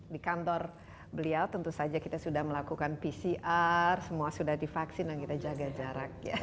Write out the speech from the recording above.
di kantor beliau tentu saja kita sudah melakukan pcr semua sudah divaksin dan kita jaga jarak ya